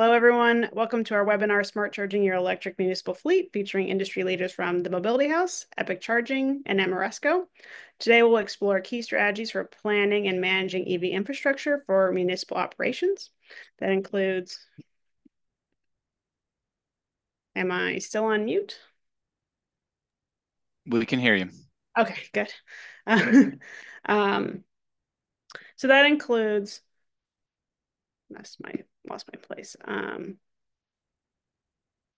Hello, everyone. Welcome to our webinar, Smart Charging Your Electric Municipal Fleet, featuring industry leaders from The Mobility House, Epic Charging, and Ameresco. Today, we'll explore key strategies for planning and managing EV infrastructure for municipal operations. That includes. Am I still on mute? We can hear you. Okay, good. So that includes. Lost my place.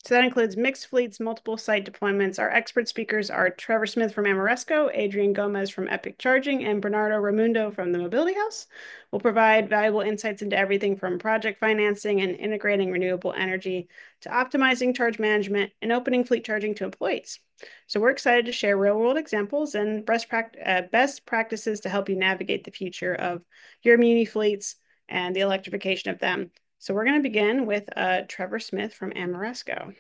So that includes mixed fleets, multiple site deployments. Our expert speakers are Trevor Smith from Ameresco, Adrian Gomez from Epic Charging, and Bernardo Raymundo from The Mobility House. We'll provide valuable insights into everything from project financing and integrating renewable energy, to optimizing charge management, and opening fleet charging to employees. So we're excited to share real-world examples and best practices to help you navigate the future of your muni fleets and the electrification of them. So we're gonna begin with, Trevor Smith from Ameresco.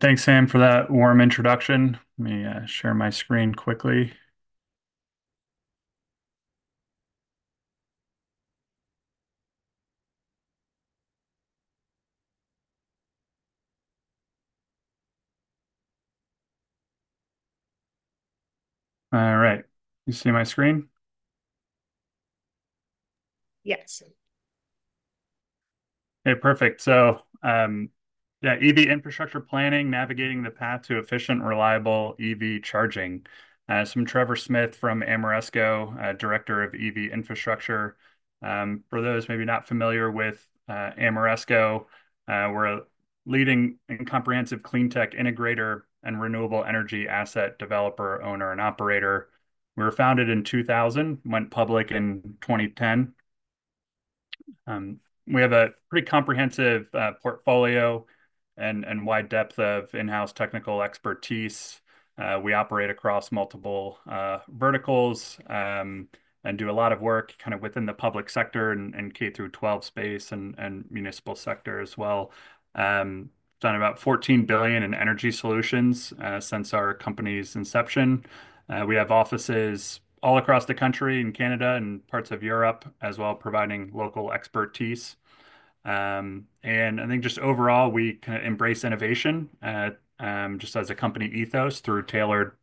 Thanks, Sam, for that warm introduction. Let me share my screen quickly. All right. You see my screen? Yes. Okay, perfect. Yeah, EV infrastructure planning: navigating the path to efficient, reliable EV charging. I'm Trevor Smith from Ameresco, Director of EV Infrastructure. For those maybe not familiar with Ameresco, we're a leading and comprehensive clean tech integrator and renewable energy asset developer, owner, and operator. We were founded in 2000, went public in 2010. We have a pretty comprehensive portfolio and wide depth of in-house technical expertise. We operate across multiple verticals and do a lot of work kind of within the public sector, K through twelve space, and municipal sector as well. Done about $14 billion in energy solutions since our company's inception. We have offices all across the country, in Canada, and parts of Europe as well, providing local expertise. I think just overall, we kind of embrace innovation just as a company ethos through tailored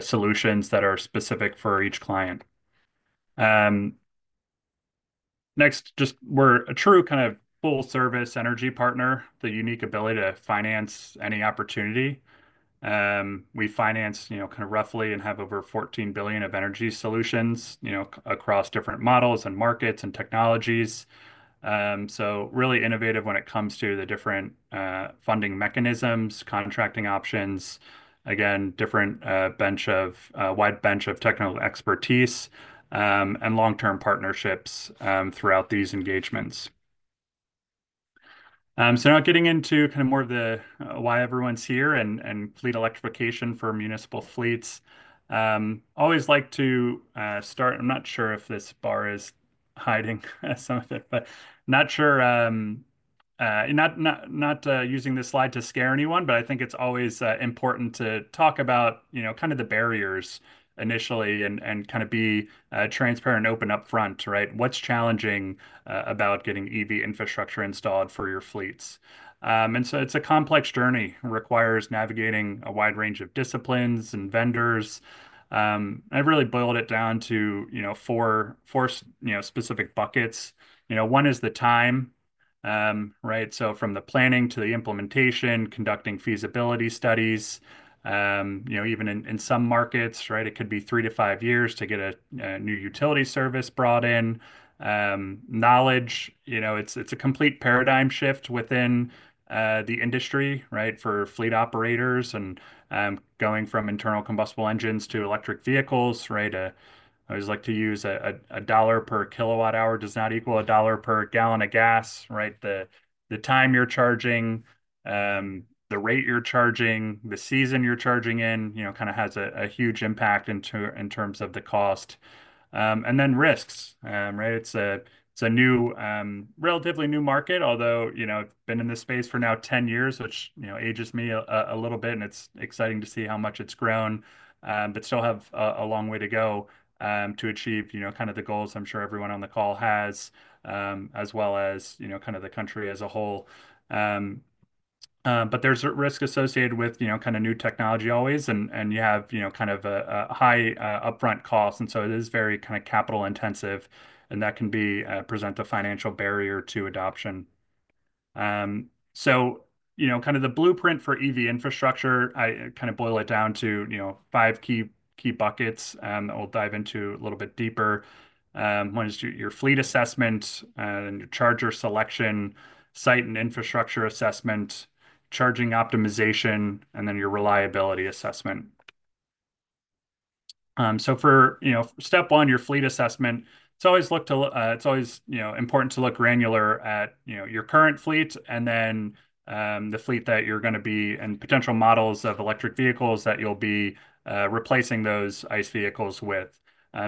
solutions that are specific for each client. Next, just we're a true kind of full-service energy partner with the unique ability to finance any opportunity. We finance, you know, kind of roughly, and have over $14 billion of energy solutions, you know, across different models, and markets, and technologies. Really innovative when it comes to the different funding mechanisms, contracting options. Again, different wide bench of technical expertise, and long-term partnerships throughout these engagements. Now getting into kind of more of the why everyone's here, and fleet electrification for municipal fleets. Always like to start... I'm not sure if this bar is hiding some of it, but not sure using this slide to scare anyone, but I think it's always important to talk about, you know, kind of the barriers initially, and kind of be transparent and open upfront, right? What's challenging about getting EV infrastructure installed for your fleets? And so it's a complex journey. It requires navigating a wide range of disciplines and vendors. I've really boiled it down to, you know, four specific buckets. You know, one is the time, right? So from the planning to the implementation, conducting feasibility studies, you know, even in some markets, right, it could be three to five years to get a new utility service brought in. You know, it's a complete paradigm shift within the industry, right, for fleet operators and going from internal combustion engines to electric vehicles, right? I always like to use a $1 per kWh does not equal a $1 per gallon of gas, right? The time you're charging, the rate you're charging, the season you're charging in, you know, kind of has a huge impact in terms of the cost. And then risks, right? It's a relatively new market, although you know, been in this space for now 10 years, which you know ages me a little bit, and it's exciting to see how much it's grown, but still have a long way to go to achieve you know kind of the goals I'm sure everyone on the call has as well as you know kind of the country as a whole, but there's a risk associated with you know kind of new technology always, and you have you know kind of a high upfront cost, and so it is very kind of capital-intensive, and that can present a financial barrier to adoption. So, you know, kind of the blueprint for EV infrastructure, I kind of boil it down to, you know, five key buckets, that we'll dive into a little bit deeper. One is your fleet assessment, and your charger selection, site and infrastructure assessment, charging optimization, and then your reliability assessment. So for, you know, step one, your fleet assessment, it's always, you know, important to look granular at, you know, your current fleet and then the fleet that you're gonna be and potential models of electric vehicles that you'll be replacing those ICE vehicles with.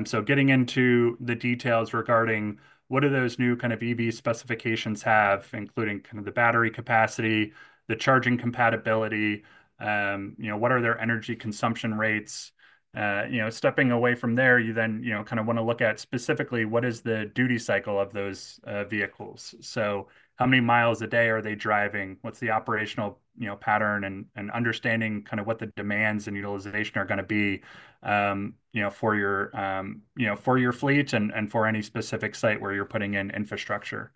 So getting into the details regarding what do those new kind of EV specifications have, including kind of the battery capacity, the charging compatibility, you know, what are their energy consumption rates? You know, stepping away from there, you then, you know, kind of want to look at specifically what is the duty cycle of those vehicles. So how many miles a day are they driving? What's the operational, you know, pattern? And understanding kind of what the demands and utilization are gonna be, you know, for your, you know, for your fleet and for any specific site where you're putting in infrastructure.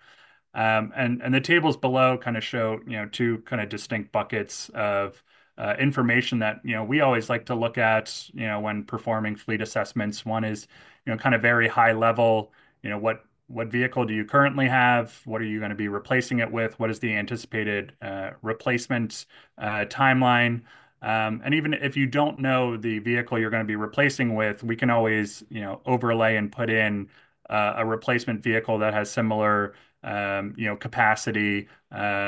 And the tables below kind of show, you know, two kind of distinct buckets of information that, you know, we always like to look at, you know, when performing fleet assessments. One is, you know, kind of very high level, you know, what vehicle do you currently have? What are you gonna be replacing it with? What is the anticipated, replacement, timeline? And even if you don't know the vehicle you're gonna be replacing with, we can always, you know, overlay and put in a replacement vehicle that has similar, you know, capacity. You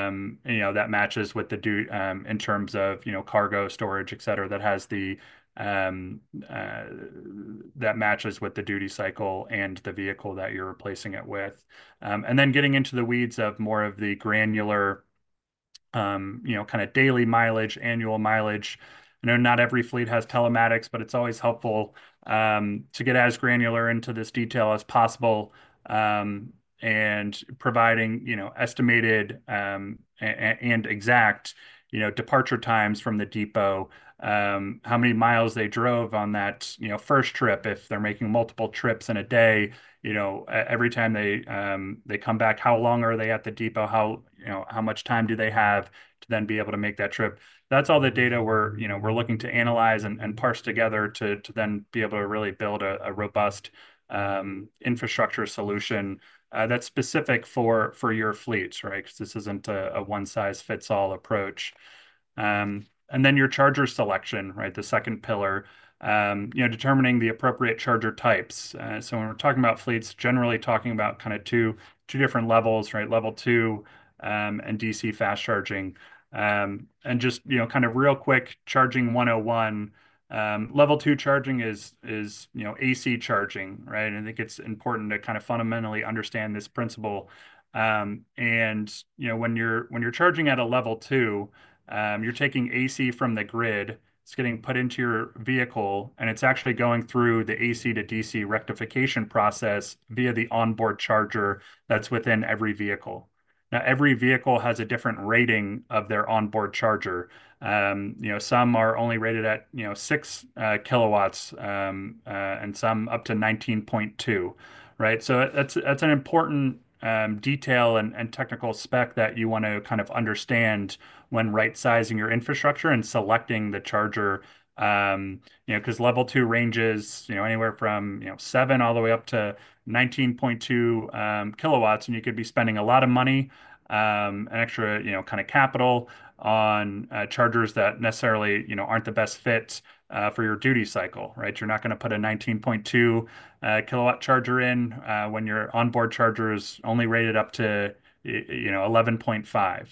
know, that matches with the, in terms of, you know, cargo storage, et cetera, that has the, that matches with the duty cycle and the vehicle that you're replacing it with. And then getting into the weeds of more of the granular, you know, kind of daily mileage, annual mileage. I know not every fleet has telematics, but it's always helpful to get as granular into this detail as possible, and providing, you know, estimated and exact, you know, departure times from the depot. How many miles they drove on that, you know, first trip. If they're making multiple trips in a day, you know, every time they come back, how long are they at the depot? You know, how much time do they have to then be able to make that trip? That's all the data we're, you know, looking to analyze and parse together to then be able to really build a robust infrastructure solution that's specific for your fleets, right? Because this isn't a one-size-fits-all approach. And then your charger selection, right? The second pillar. You know, determining the appropriate charger types. So when we're talking about fleets, generally talking about kind of two different levels, right? Level 2 and DC fast charging. And just, you know, kind of real quick, charging 101, level 2 charging is, you know, AC charging, right? I think it's important to kind of fundamentally understand this principle. You know, when you're charging at a Level 2, you're taking AC from the grid, it's getting put into your vehicle, and it's actually going through the AC to DC rectification process via the onboard charger that's within every vehicle. Now, every vehicle has a different rating of their onboard charger. You know, some are only rated at 6 kW, and some up to 19.2 kW, right? So that's an important detail and technical spec that you want to kind of understand when right-sizing your infrastructure and selecting the charger. You know, because Level 2 ranges you know anywhere from you know seven all the way up to 19.2 kilowatts, and you could be spending a lot of money and extra you know kind of capital on chargers that necessarily you know aren't the best fit for your duty cycle, right? You're not gonna put a 19.2 kilowatt charger in when your onboard charger is only rated up to you know 11.5.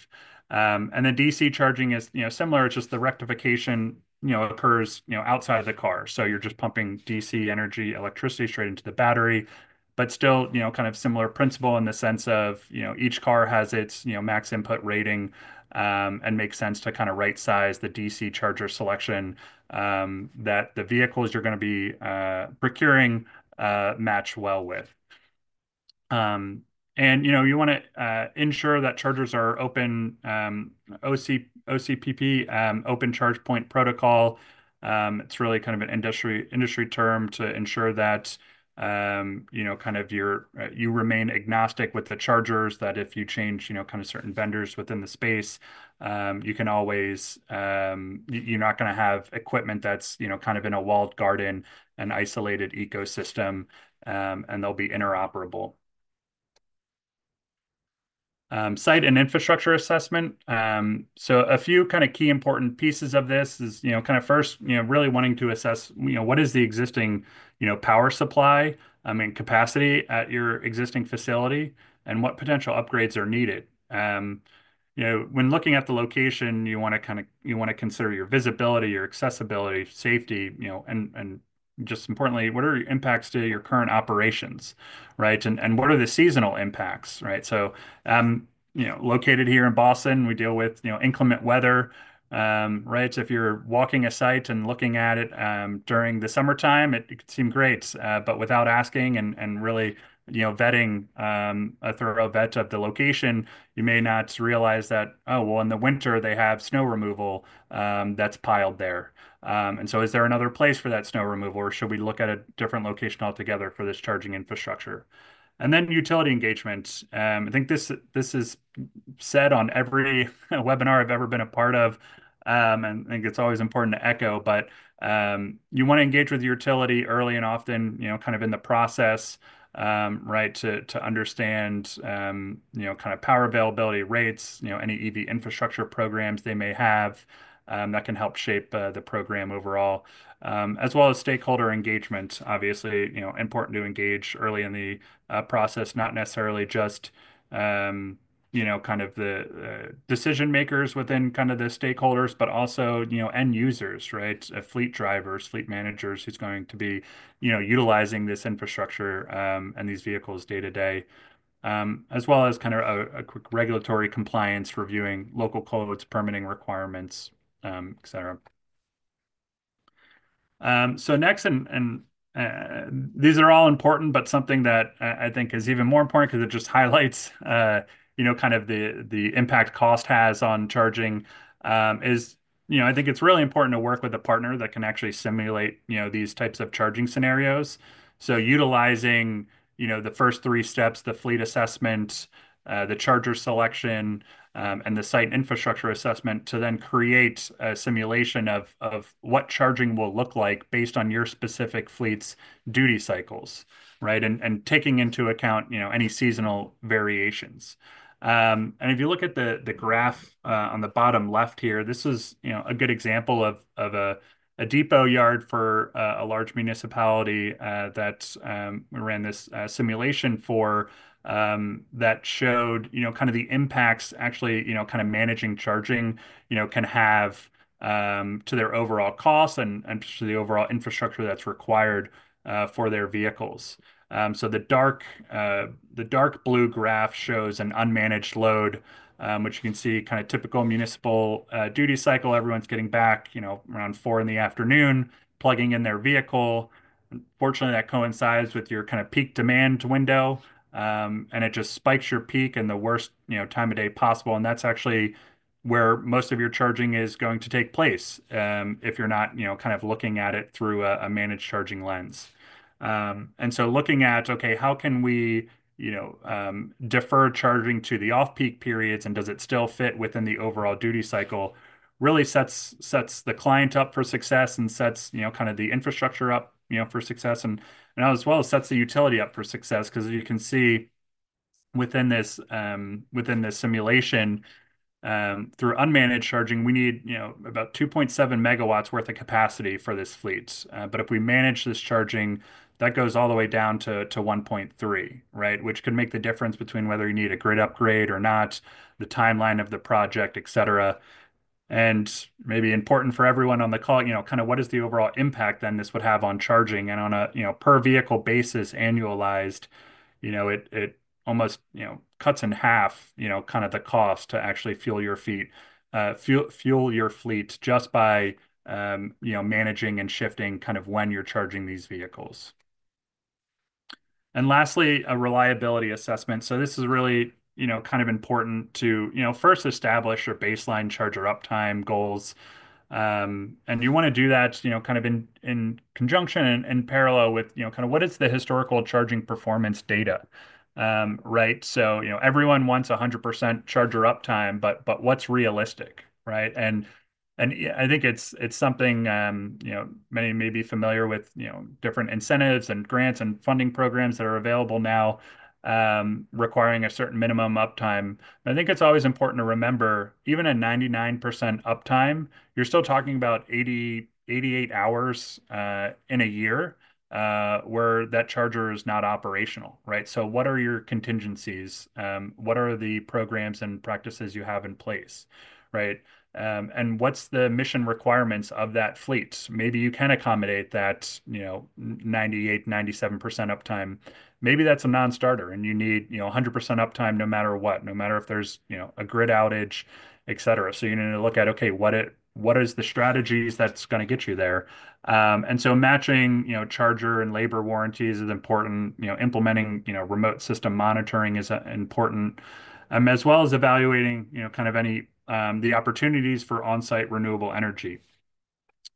And then DC charging is you know similar. It's just the rectification you know occurs you know outside of the car. So you're just pumping DC energy electricity straight into the battery, but still, you know, kind of similar principle in the sense of, you know, each car has its, you know, max input rating, and makes sense to kind of right-size the DC charger selection, that the vehicles you're gonna be procuring, match well with. And, you know, you wanna ensure that chargers are open, OCPP, Open Charge Point Protocol. It's really kind of an industry term to ensure that, you know, kind of your, you remain agnostic with the chargers, that if you change, you know, kind of certain vendors within the space, you can always. You're not gonna have equipment that's, you know, kind of in a walled garden, an isolated ecosystem, and they'll be interoperable. Site and infrastructure assessment. So a few kind of key important pieces of this is, you know, kind of first, you know, really wanting to assess, you know, what is the existing, you know, power supply, I mean, capacity at your existing facility, and what potential upgrades are needed. You know, when looking at the location, you want to consider your visibility, your accessibility, safety, you know, and just importantly, what are your impacts to your current operations, right? And what are the seasonal impacts, right? You know, located here in Boston, we deal with, you know, inclement weather, right? If you're walking a site and looking at it during the summertime, it could seem great, but without asking and really, you know, vetting a thorough vet of the location, you may not realize that, oh, well, in the winter they have snow removal that's piled there, and so is there another place for that snow removal, or should we look at a different location altogether for this charging infrastructure, then utility engagement. I think this is said on every webinar I've ever been a part of, and I think it's always important to echo, but you want to engage with your utility early and often, you know, kind of in the process, right, to understand, you know, kind of power availability rates, you know, any EV infrastructure programs they may have... that can help shape, the program overall. As well as stakeholder engagement. Obviously, you know, important to engage early in the, process, not necessarily just, you know, kind of the, the decision-makers within kind of the stakeholders, but also, you know, end users, right? Fleet drivers, fleet managers, who's going to be, you know, utilizing this infrastructure, and these vehicles day to day. As well as kind of a quick regulatory compliance, reviewing local codes, permitting requirements, et cetera. So next, and, these are all important, but something that I think is even more important because it just highlights, you know, kind of the impact cost has on charging, is- you know, I think it's really important to work with a partner that can actually simulate, you know, these types of charging scenarios. So utilizing, you know, the first three steps, the fleet assessment, the charger selection, and the site infrastructure assessment, to then create a simulation of what charging will look like based on your specific fleet's duty cycles, right? And taking into account, you know, any seasonal variations. And if you look at the graph on the bottom left here, this is, you know, a good example of a depot yard for a large municipality that we ran this simulation for. That showed, you know, kind of the impacts, actually, you know, kind of managing charging, you know, can have to their overall cost and to the overall infrastructure that's required for their vehicles. So the dark blue graph shows an unmanaged load, which you can see kind of typical municipal duty cycle. Everyone's getting back, you know, around four in the afternoon, plugging in their vehicle. Unfortunately, that coincides with your kind of peak demand window, and it just spikes your peak in the worst, you know, time of day possible, and that's actually where most of your charging is going to take place, if you're not, you know, kind of looking at it through a managed charging lens. And so looking at, okay, how can we, you know, defer charging to the off-peak periods, and does it still fit within the overall duty cycle? Really sets the client up for success and sets, you know, kind of the infrastructure up, you know, for success, and as well as sets the utility up for success. Because you can see within this simulation, through unmanaged charging, we need, you know, about 2.7 megawatts worth of capacity for this fleet. But if we manage this charging, that goes all the way down to 1.3, right? Which could make the difference between whether you need a grid upgrade or not, the timeline of the project, et cetera, and maybe important for everyone on the call, you know, kind of what is the overall impact then this would have on charging? And on a, you know, per vehicle basis, annualized, you know, it almost, you know, cuts in half, you know, kind of the cost to actually fuel your fleet, just by, you know, managing and shifting kind of when you're charging these vehicles. And lastly, a reliability assessment. So this is really, you know, kind of important to, you know, first establish your baseline charger uptime goals. And you want to do that, you know, kind of in conjunction and parallel with, you know, kind of what is the historical charging performance data, right? So, you know, everyone wants 100% charger uptime, but what's realistic, right? I think it's something, you know, many may be familiar with, you know, different incentives and grants, and funding programs that are available now, requiring a certain minimum uptime. I think it's always important to remember, even at 99% uptime, you're still talking about 88 hours in a year where that charger is not operational, right? So what are your contingencies? What are the programs and practices you have in place, right? And what's the mission requirements of that fleet? Maybe you can accommodate that, you know, 98%-97% uptime. Maybe that's a non-starter, and you need, you know, 100% uptime no matter what, no matter if there's, you know, a grid outage, et cetera. So you need to look at, okay, what is the strategies that's gonna get you there? and so matching, you know, charger and labor warranties is important. You know, implementing, you know, remote system monitoring is important, as well as evaluating, you know, kind of any, the opportunities for on-site renewable energy.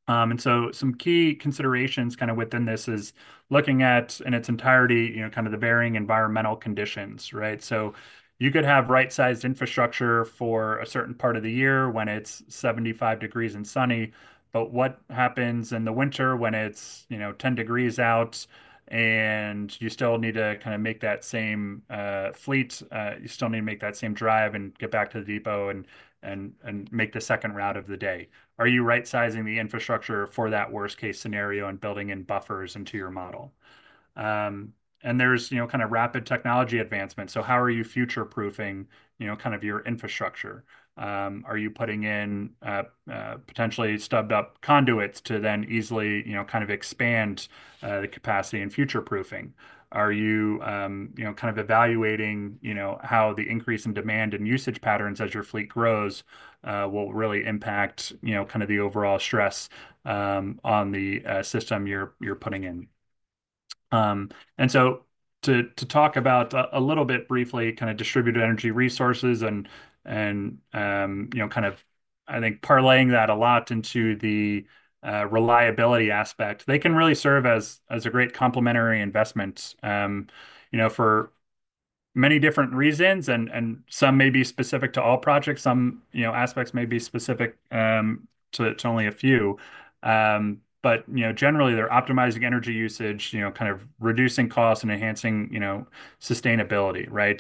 and so some key considerations kind of within this is looking at, in its entirety, you know, kind of the varying environmental conditions, right? So you could have right-sized infrastructure for a certain part of the year when it's 75 degrees Fahrenheit and sunny, but what happens in the winter when it's, you know, 10 degrees Fahrenheit out, and you still need to kind of make that same drive and get back to the depot and make the second route of the day? Are you right-sizing the infrastructure for that worst-case scenario and building in buffers into your model? And there's, you know, kind of rapid technology advancement. So how are you future-proofing, you know, kind of your infrastructure? Are you putting in potentially stubbed-up conduits to then easily, you know, kind of expand the capacity and future-proofing? Are you, you know, kind of evaluating, you know, how the increase in demand and usage patterns as your fleet grows will really impact, you know, kind of the overall stress on the system you're putting in? And so to talk about a little bit briefly, kind of distributed energy resources and, you know, kind of I think parlaying that a lot into the reliability aspect, they can really serve as a great complementary investment, you know, for many different reasons, and some may be specific to all projects. Some, you know, aspects may be specific to only a few. But, you know, generally, they're optimizing energy usage, you know, kind of reducing costs and enhancing, you know, sustainability, right?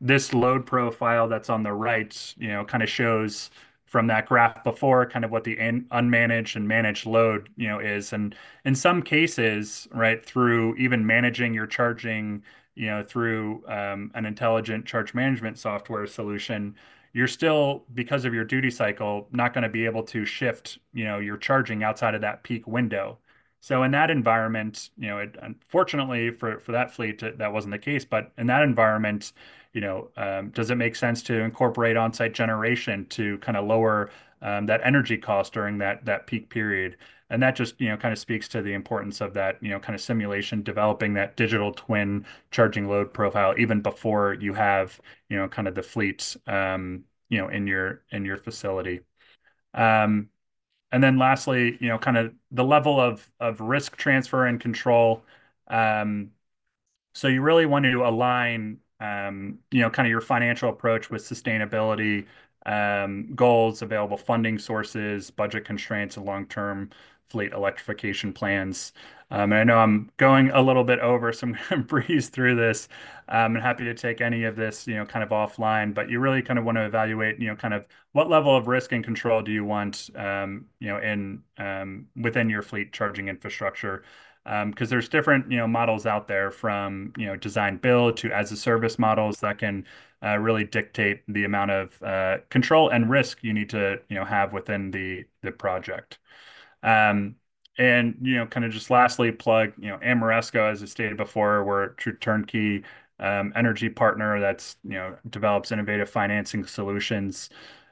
This load profile that's on the right, you know, kind of shows from that graph before, kind of what the unmanaged and managed load, you know, is. In some cases, right, through even managing your charging, you know, through an intelligent charge management software solution, you're still, because of your duty cycle, not gonna be able to shift, you know, your charging outside of that peak window, so in that environment, you know, it unfortunately, for that fleet, that wasn't the case. But in that environment, you know, does it make sense to incorporate on-site generation to kind of lower that energy cost during that, that peak period? And that just, you know, kind of speaks to the importance of that, you know, kind of simulation, developing that digital twin charging load profile even before you have, you know, kind of the fleets, you know, in your facility. And then lastly, you know, kind of the level of risk transfer and control. So you really want to align, you know, kind of your financial approach with sustainability goals, available funding sources, budget constraints, and long-term fleet electrification plans. And I know I'm going a little bit over, so I'm gonna breeze through this. Happy to take any of this, you know, kind of offline, but you really kind of want to evaluate, you know, kind of what level of risk and control do you want, you know, within your fleet charging infrastructure. 'Cause there's different, you know, models out there from, you know, design build to as-a-service models that can really dictate the amount of control and risk you need to, you know, have within the project. You know, kind of just lastly, plug, you know, Ameresco, as I stated before, we're a true turnkey energy partner that's, you know, develops innovative financing solutions.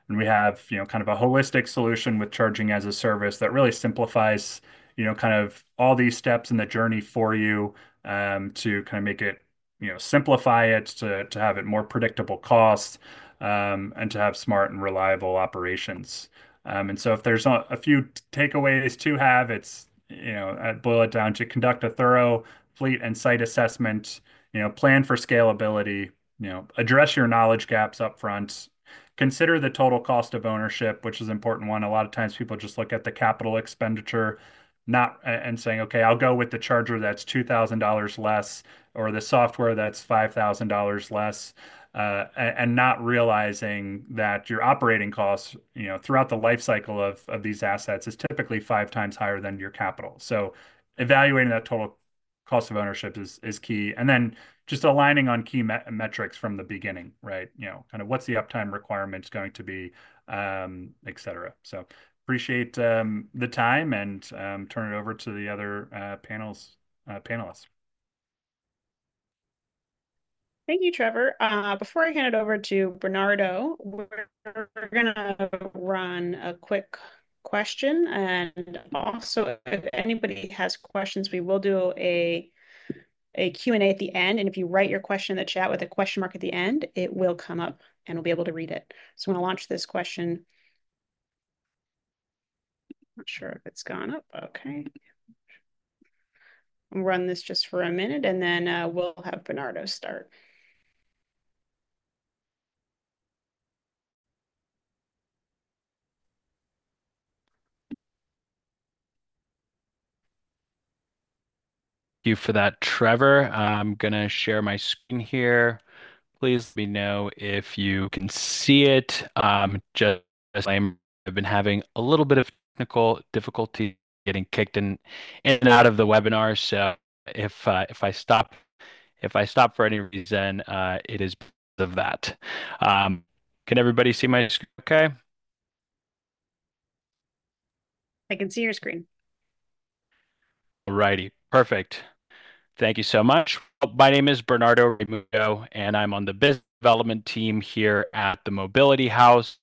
We have, you know, kind of a holistic solution with charging as a service that really simplifies, you know, kind of all these steps in the journey for you, to kind of make it... You know, simplify it to have a more predictable cost, and to have smart and reliable operations. And so if there's a few takeaways to have, it's, you know, I'd boil it down to conduct a thorough fleet and site assessment, you know, plan for scalability. You know, address your knowledge gaps upfront. Consider the total cost of ownership, which is an important one. A lot of times people just look at the capital expenditure, not and saying, "Okay, I'll go with the charger that's $2,000 less, or the software that's $5,000 less," and not realizing that your operating costs, you know, throughout the life cycle of these assets, is typically five times higher than your capital. So evaluating that total cost of ownership is key, and then just aligning on key metrics from the beginning, right? You know, kind of what's the uptime requirements going to be, et cetera. So appreciate the time, and turn it over to the other panelists. Thank you, Trevor. Before I hand it over to Bernardo, we're gonna run a quick question, and also, if anybody has questions, we will do a Q&A at the end, and if you write your question in the chat with a question mark at the end, it will come up, and we'll be able to read it, so I'm gonna launch this question. Not sure if it's gone up. Okay. Run this just for a minute, and then we'll have Bernardo start.... Thank you for that, Trevor. I'm gonna share my screen here. Please let me know if you can see it. Just, I've been having a little bit of technical difficulty getting kicked in and out of the webinar, so if I stop for any reason, it is because of that. Can everybody see my screen okay? I can see your screen. All righty. Perfect. Thank you so much. My name is Bernardo Raymundo, and I'm on the business development team here at The Mobility House,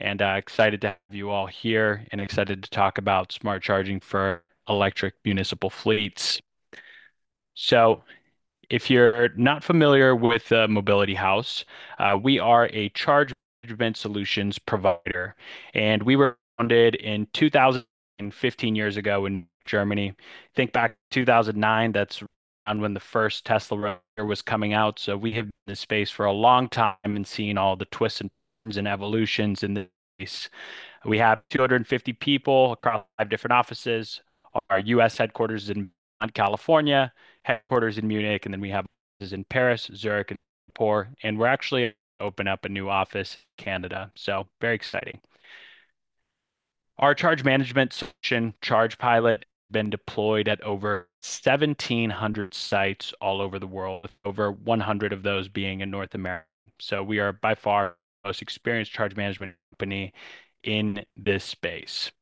and excited to have you all here, and excited to talk about smart charging for electric municipal fleets. So if you're not familiar with The Mobility House, we are a charge management solutions provider, and we were founded fifteen years ago in Germany. Think back to 2009, that's around when the first Tesla car was coming out. So we have been in this space for a long time and seen all the twists and turns and evolutions in the space. We have 250 people across five different offices. Our U.S. headquarters is in California, headquarters in Munich, and then we have in Paris, Zurich, and Singapore, and we're actually opening up a new office in Canada, so very exciting. Our charge management solution, ChargePilot,, been deployed at over 1,700 sites all over the world, with over 100 of those being in North America. So we are by far the most experienced charge management company in this space.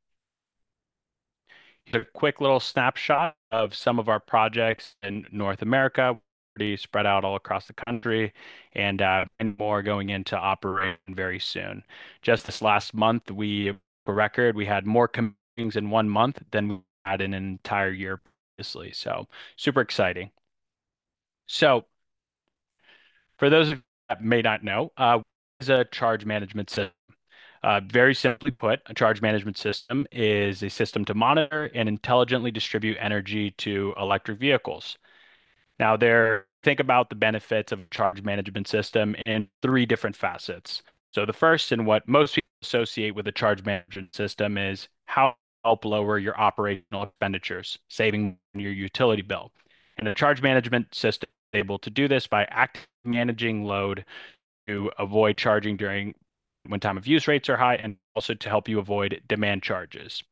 Here's a quick little snapshot of some of our projects in North America, pretty spread out all across the country and more going into operation very soon. Just this last month, we broke a record. We had more commitments in one month than we had in an entire year previously, so super exciting. For those of you that may not know, what is a charge management system? Very simply put, a charge management system is a system to monitor and intelligently distribute energy to electric vehicles. Now, think about the benefits of a charge management system in three different facets. So the first, and what most people associate with a charge management system, is how to help lower your operational expenditures, saving your utility bill. And a charge management system is able to do this by actively managing load to avoid charging during when time-of-use rates are high, and also to help you avoid demand charges.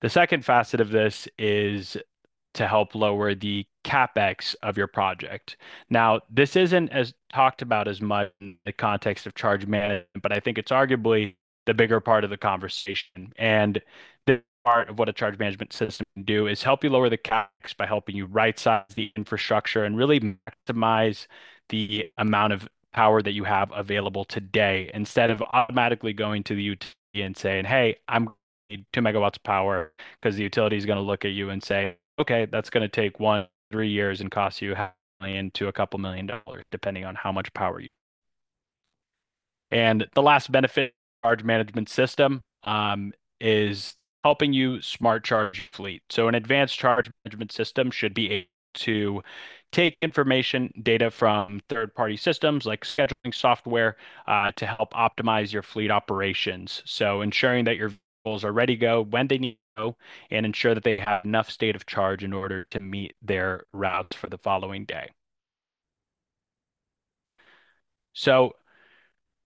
The second facet of this is to help lower the CapEx of your project. Now, this isn't as talked about as much in the context of charge management, but I think it's arguably the bigger part of the conversation. The part of what a charge management system can do is help you lower the CapEx by helping you right-size the infrastructure and really maximize the amount of power that you have available today, instead of automatically going to the utility and saying, "Hey, I'm two megawatts of power." Because the utility is gonna look at you and say, "Okay, that's gonna take one to three years and cost you $500,000-$2 million, depending on how much power you..." The last benefit, charge management system, is helping you smart charge fleet. An advanced charge management system should be able to take information, data from third-party systems, like scheduling software, to help optimize your fleet operations. Ensuring that your vehicles are ready to go when they need to go, and ensure that they have enough state of charge in order to meet their routes for the following day.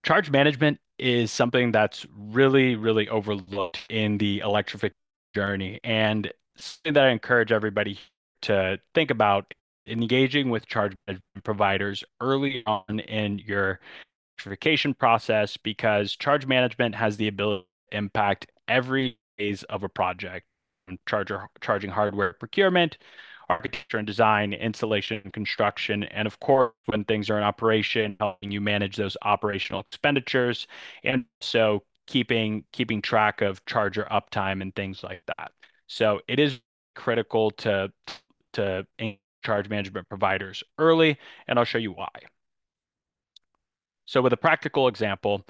Charge management is something that's really, really overlooked in the electrification journey, and that I encourage everybody to think about engaging with charge management providers early on in your electrification process. Because charge management has the ability to impact every phase of a project: charger, charging hardware, procurement, architecture and design, installation and construction, and of course, when things are in operation, helping you manage those operational expenditures, and so keeping track of charger uptime and things like that. It is critical to charge management providers early, and I'll show you why. With a practical example,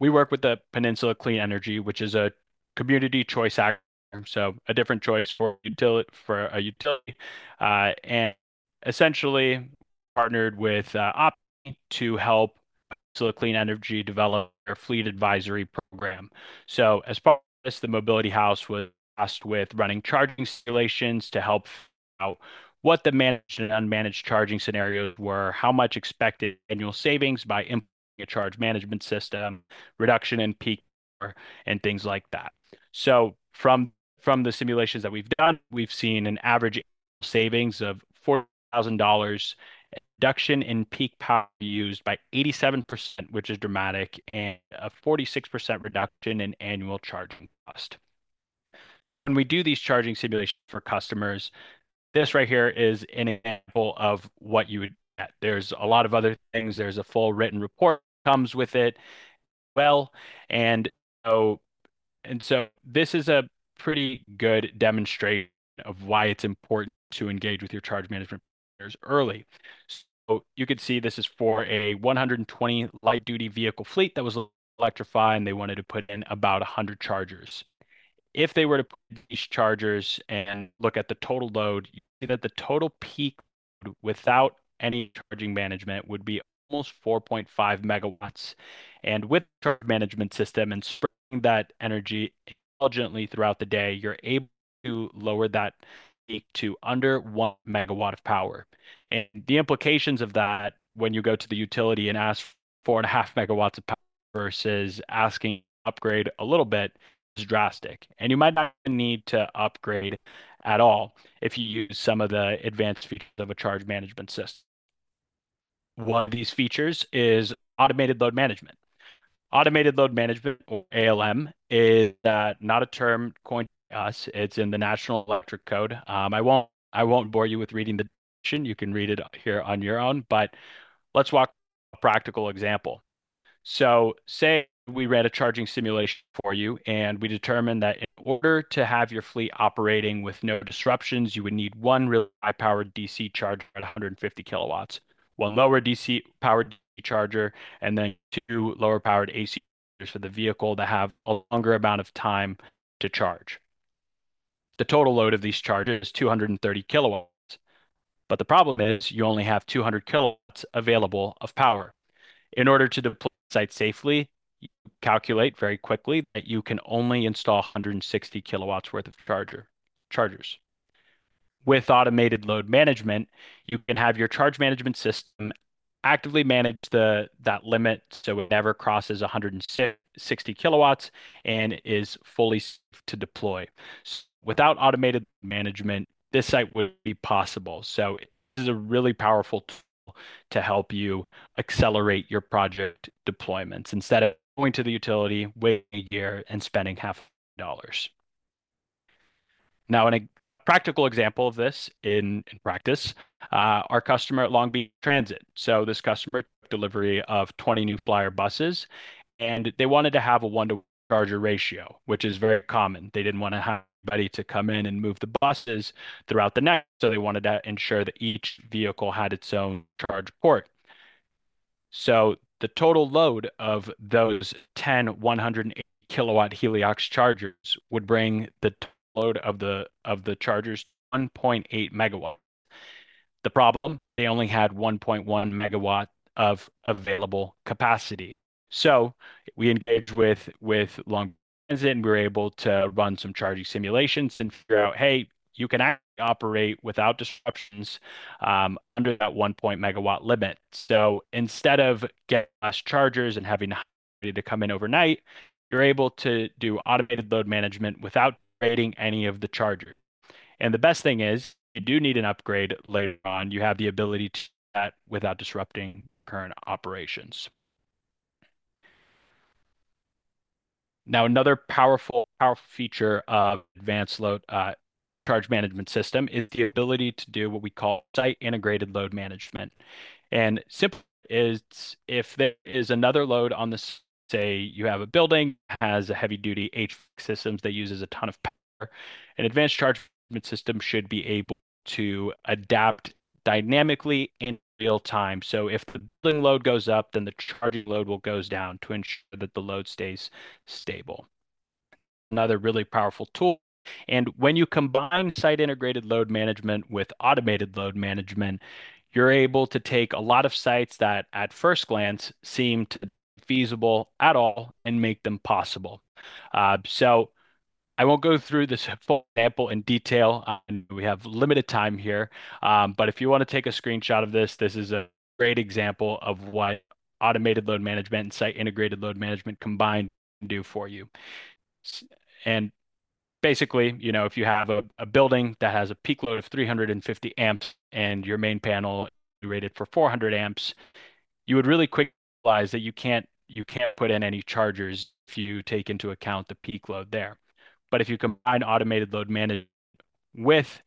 we work with the Peninsula Clean Energy, which is a community choice. So a different choice for a utility, and essentially partnered with Opt to help Peninsula Clean Energy develop their fleet advisory program. So as far as The Mobility House was tasked with running charging simulations to help out what the managed and unmanaged charging scenarios were, how much expected annual savings by implementing a charge management system, reduction in peak, and things like that. So from the simulations that we've done, we've seen an average savings of $4,000, reduction in peak power used by 87%, which is dramatic, and a 46% reduction in annual charging cost. When we do these charging simulations for customers, this right here is an example of what you would get. There's a lot of other things. There's a full written report comes with it, well. This is a pretty good demonstration of why it's important to engage with your charge management early. You could see this is for a 120 light-duty vehicle fleet that was electrifying. They wanted to put in about 100 chargers. If they were to put these chargers and look at the total load, you see that the total peak without any charging management would be almost 4.5 megawatts. With charge management system and spreading that energy intelligently throughout the day, you're able to lower that peak to under 1 MW of power. The implications of that, when you go to the utility and ask 4.5 MWs of power versus asking upgrade a little bit, is drastic. You might not need to upgrade at all if you use some of the advanced features of a charge management system. One of these features is automated load management. Automated load management, or ALM, is not a term coined by us. It's in the National Electrical Code. I won't bore you with reading the definition. You can read it here on your own, but let's walk practical example. Say we ran a charging simulation for you, and we determined that in order to have your fleet operating with no disruptions, you would need one really high-powered DC charger at 150 kW, one lower DC powered charger, and then two lower powered AC chargers for the vehicle to have a longer amount of time to charge. The total load of these chargers is 230 kW, but the problem is you only have 200 kW available of power. In order to deploy site safely, you calculate very quickly that you can only install 160 kW worth of charger, chargers. With automated load management, you can have your charge management system actively manage that limit, so it never crosses 160 kW and is fully to deploy. Without automated management, this site would not be possible. So this is a really powerful tool to help you accelerate your project deployments, instead of going to the utility, waiting a year, and spending $500,000. Now, in a practical example of this in practice, our customer at Long Beach Transit. This customer delivery of 20 New Flyer buses, and they wanted to have a one-to-one charger ratio, which is very common. They didn't want to have anybody to come in and move the buses throughout the night, so they wanted to ensure that each vehicle had its own charge port. The total load of those 10, 180 kW Heliox chargers would bring the total load of the chargers to 1.8 MW. The problem, they only had 1.1 MW of available capacity. So we engaged with Long, and we were able to run some charging simulations and figure out, "Hey, you can actually operate without disruptions under that 1 MW limit." Instead of getting less chargers and having to come in overnight, you are able to do automated load management without creating any of the chargers. The best thing is, if you do need an upgrade later on, you have the ability to do that without disrupting current operations. Now, another powerful, powerful feature of advanced load charge management system is the ability to do what we call site-integrated load management. And simply, is if there is another load on the, say, you have a building has a heavy-duty HVAC systems that uses a ton of power, an advanced charge management system should be able to adapt dynamically in real time. So if the building load goes up, then the charging load will go down to ensure that the load stays stable. Another really powerful tool, and when you combine site-integrated load management with automated load management, you're able to take a lot of sites that, at first glance, seemed infeasible at all and make them possible. So I won't go through this full example in detail, and we have limited time here. But if you want to take a screenshot of this, this is a great example of what automated load management and site-integrated load management combined can do for you. And basically, you know, if you have a building that has a peak load of three hundred and fifty amps and your main panel rated for four hundred amps, you would really quickly realize that you can't put in any chargers if you take into account the peak load there. But if you combine automated load management with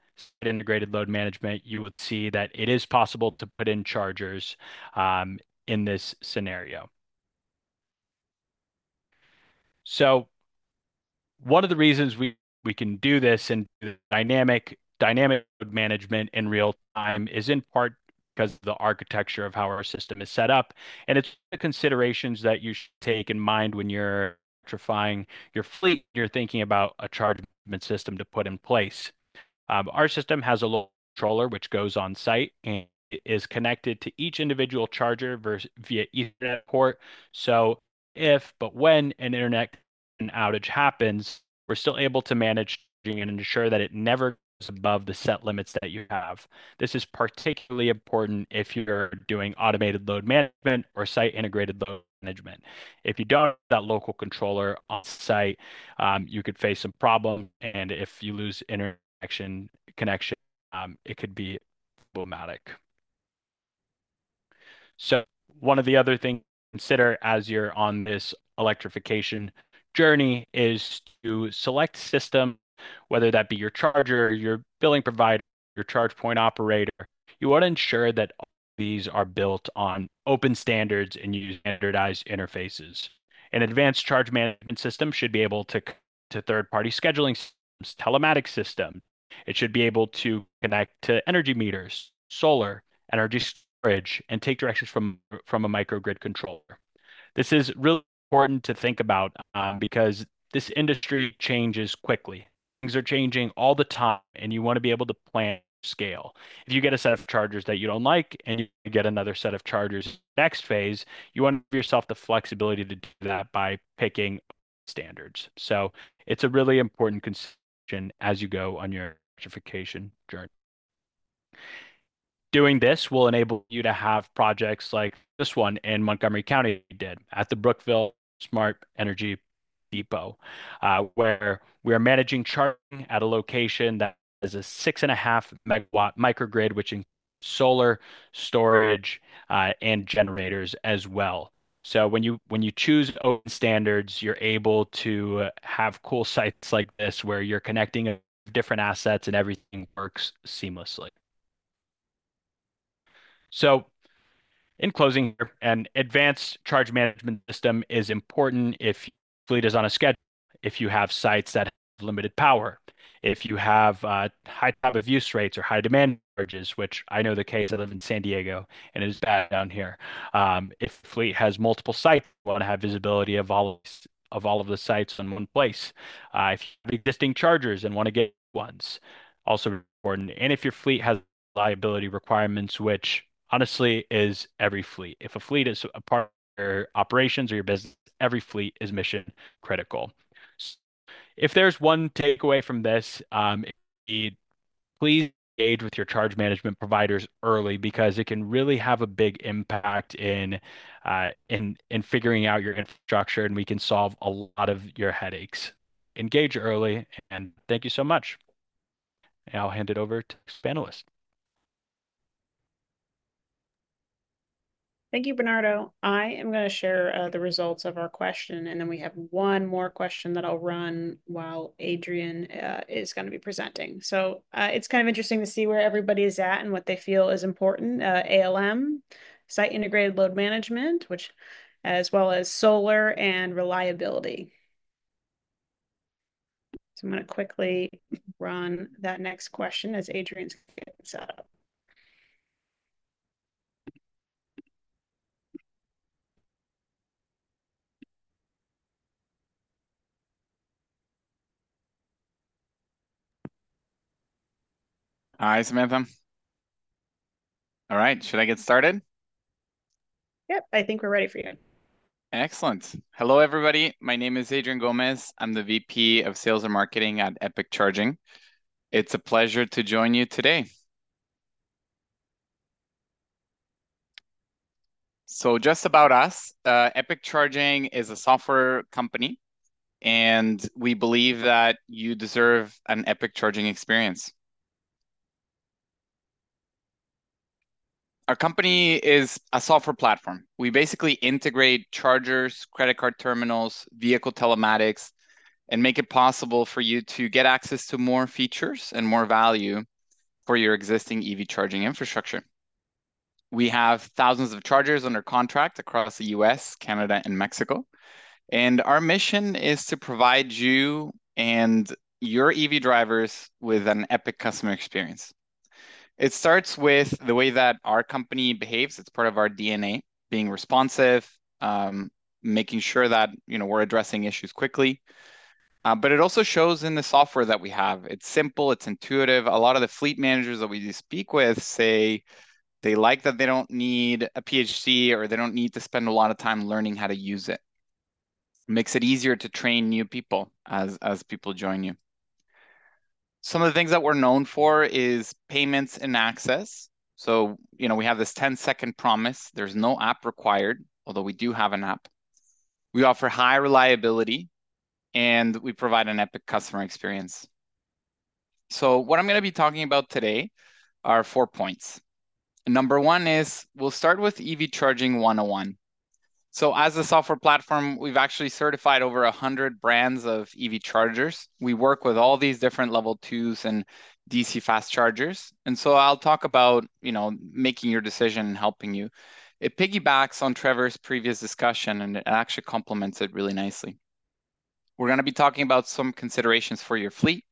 integrated load management, you would see that it is possible to put in chargers in this scenario. So one of the reasons we can do this and dynamic management in real time is in part because of the architecture of how our system is set up, and it's the considerations that you should take in mind when you're electrifying your fleet, you're thinking about a charge management system to put in place. Our system has a little controller, which goes on site and is connected to each individual charger via Ethernet port. But when an internet outage happens, we're still able to manage it and ensure that it never goes above the set limits that you have. This is particularly important if you're doing automated load management or site-integrated load management. If you don't have that local controller on site, you could face some problem, and if you lose internet connection, it could be problematic. So one of the other things to consider as you're on this electrification journey is to select system, whether that be your charger, your billing provider, your charge point operator. You want to ensure that these are built on open standards and use standardized interfaces. An advanced charge management system should be able to third-party scheduling systems, telematics systems. It should be able to connect to energy meters, solar, energy storage, and take directions from a microgrid controller. This is really important to think about, because this industry changes quickly. Things are changing all the time, and you want to be able to plan scale. If you get a set of chargers that you don't like, and you get another set of chargers next phase, you want yourself the flexibility to do that by picking standards. So it's a really important consideration as you go on your electrification journey. Doing this will enable you to have projects like this one in Montgomery County did at the Brookville Smart Energy Depot, where we are managing charging at a location that is a 6.5 MW microgrid, which includes solar storage and generators as well. When you choose open standards, you are able to have cool sites like this, where you are connecting different assets and everything works seamlessly. In closing, an advanced charge management system is important if fleet is on a schedule, if you have sites that have limited power, if you have high time-of-use rates or high demand charges, which I know is the case. I live in San Diego, and it is bad down here. If fleet has multiple sites, want to have visibility of all of the sites in one place. If you have existing chargers and want to get ones, also important, and if your fleet has liability requirements, which honestly is every fleet. If a fleet is a part of your operations or your business, every fleet is mission critical. If there's one takeaway from this, it please engage with your charge management providers early, because it can really have a big impact in figuring out your infrastructure, and we can solve a lot of your headaches. Engage early, and thank you so much. I'll hand it over to the next panelist. Thank you, Bernardo. I am gonna share the results of our question, and then we have one more question that I'll run while Adrian is gonna be presenting. It's kind of interesting to see where everybody is at and what they feel is important. ALM, site-integrated load management, which as well as solar and reliability. So I'm gonna quickly run that next question as Adrian's getting set up. Hi, Samantha. All right, should I get started? Yep, I think we're ready for you. Excellent. Hello, everybody. My name is Adrian Gomez. I'm the VP of sales and marketing at Epic Charging. It's a pleasure to join you today, so just about us, Epic Charging is a software company, and we believe that you deserve an epic charging experience. Our company is a software platform. We basically integrate chargers, credit card terminals, vehicle telematics, and make it possible for you to get access to more features and more value for your existing EV charging infrastructure. We have thousands of chargers under contract across the U.S., Canada, and Mexico, and our mission is to provide you and your EV drivers with an epic customer experience. It starts with the way that our company behaves. It's part of our DNA, being responsive, making sure that, you know, we're addressing issues quickly, but it also shows in the software that we have. It's simple. It's intuitive. A lot of the fleet managers that we speak with say they like that they don't need a Ph.D., or they don't need to spend a lot of time learning how to use it. Makes it easier to train new people as people join you. Some of the things that we're known for is payments and access, so, you know, we have this ten-second promise. There's no app required, although we do have an app. We offer high reliability, and we provide an epic customer experience. So what I'm gonna be talking about today are four points. Number one is we'll start with EV charging 101. So as a software platform, we've actually certified over a hundred brands of EV chargers. We work with all these different Level 2s and DC fast chargers, and so I'll talk about, you know, making your decision, helping you. It piggybacks on Trevor's previous discussion and actually complements it really nicely. We're gonna be talking about some considerations for your fleet.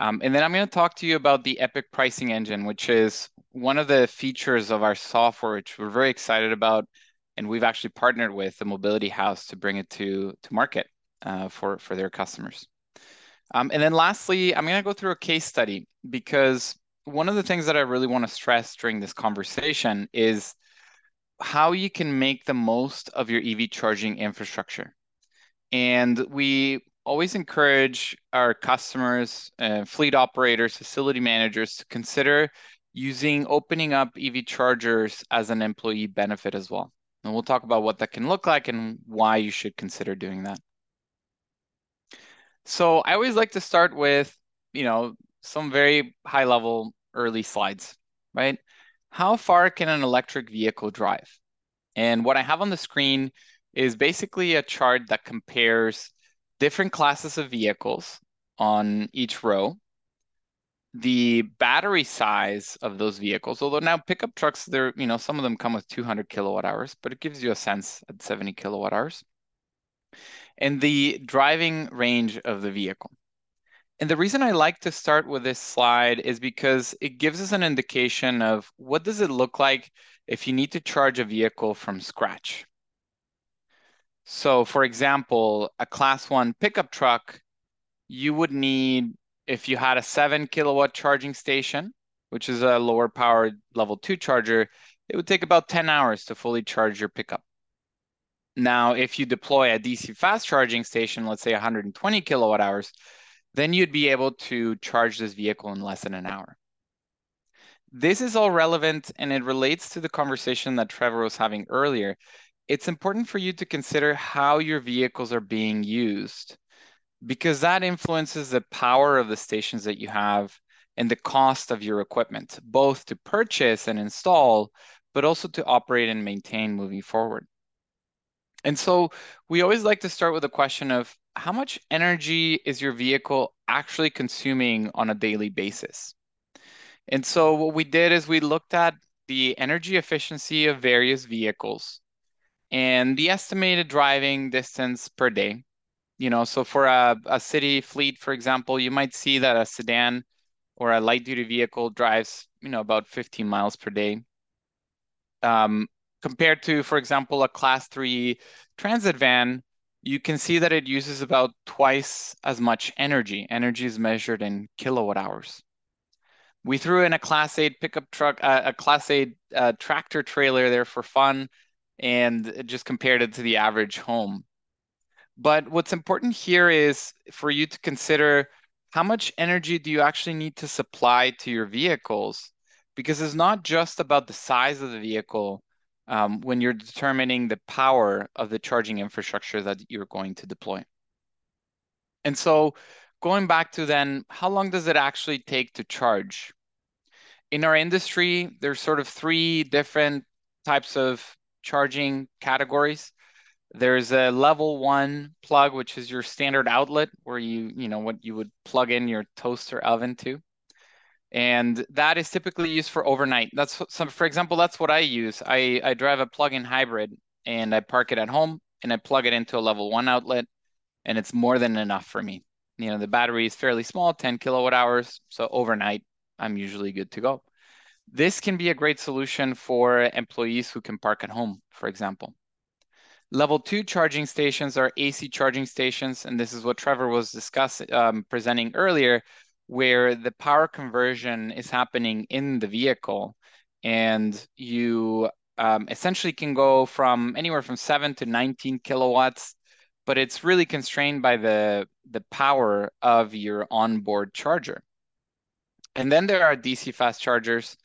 And then I'm gonna talk to you about the Epic Pricing Engine, which is one of the features of our software, which we're very excited about, and we've actually partnered with The Mobility House to bring it to market for their customers. And then lastly, I'm gonna go through a case study because one of the things that I really wanna stress during this conversation is how you can make the most of your EV charging infrastructure. And we always encourage our customers and fleet operators, facility managers to consider using opening up EV chargers as an employee benefit as well, and we'll talk about what that can look like and why you should consider doing that. So I always like to start with, you know, some very high-level early slides, right? How far can an electric vehicle drive? And what I have on the screen is basically a chart that compares different classes of vehicles on each row. The battery size of those vehicles, although now pickup trucks, they're, you know, some of them come with 200 kWhs, but it gives you a sense at 70 kWhs. And the driving range of the vehicle. And the reason I like to start with this slide is because it gives us an indication of what does it look like if you need to charge a vehicle from scratch. So, for example, a Class 1 pickup truck, you would need. If you had a 7 kW charging station, which is a lower powered Level 2 charger, it would take about 10 hours to fully charge your pickup. Now, if you deploy a DC fast charging station, let's say 120 kWhs, then you'd be able to charge this vehicle in less than an hour. This is all relevant, and it relates to the conversation that Trevor was having earlier. It's important for you to consider how your vehicles are being used because that influences the power of the stations that you have and the cost of your equipment, both to purchase and install, but also to operate and maintain moving forward, and so we always like to start with a question of: How much energy is your vehicle actually consuming on a daily basis, and so what we did is we looked at the energy efficiency of various vehicles and the estimated driving distance per day. You know, so for a city fleet, for example, you might see that a sedan or a light-duty vehicle drives, you know, about fifteen miles per day. Compared to, for example, a Class 3 transit van, you can see that it uses about twice as much energy. Energy is measured in kWhs. We threw in a Class 8 pickup truck, a Class 8 tractor-trailer there for fun, and just compared it to the average home. But what's important here is for you to consider how much energy do you actually need to supply to your vehicles? Because it's not just about the size of the vehicle, when you're determining the power of the charging infrastructure that you're going to deploy. And so going back to then, how long does it actually take to charge? In our industry, there's sort of three different types of charging categories. There's a Level 1 plug, which is your standard outlet, where you, you know, what you would plug in your toaster oven to, and that is typically used for overnight. That's so, for example, that's what I use. I drive a plug-in hybrid, and I park it at home, and I plug it into a Level 1 outlet, and it's more than enough for me. You know, the battery is fairly small, 10 kWhs, so overnight, I'm usually good to go. This can be a great solution for employees who can park at home, for example. Level 2 charging stations are AC charging stations, and this is what Trevor was presenting earlier, where the power conversion is happening in the vehicle, and you essentially can go from anywhere from seven to 19 kilowatts, but it's really constrained by the power of your onboard charger. And then there are DC fast chargers,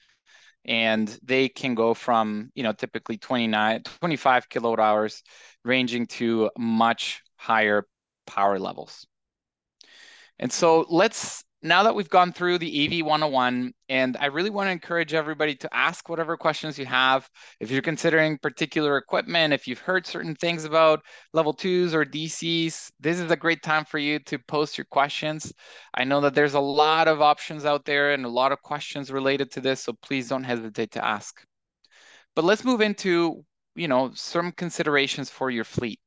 and they can go from, you know, typically 25 to 90 kWhs, ranging to much higher power levels. Now that we've gone through the EV 101, and I really want to encourage everybody to ask whatever questions you have. If you're considering particular equipment, if you've heard certain things about Level 2s or DCs, this is a great time for you to post your questions. I know that there's a lot of options out there and a lot of questions related to this, so please don't hesitate to ask. But let's move into, you know, some considerations for your fleet.